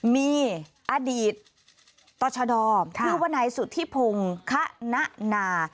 มีอดีตตรชดอมรูปนัยสุทธิพงศ์ขนานา